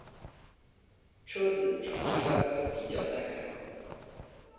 车子整体外观比较耐看。